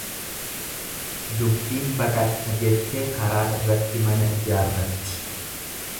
Dubbiin baqadha jettee karaa irratti mana ijaarratti.